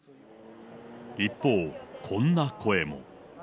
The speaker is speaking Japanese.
一方、こんな声も。